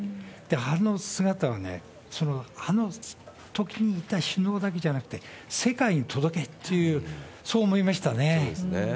あの姿はね、あのときにいた首脳だけじゃなくて、世界に届けっていう、そう思そうですね。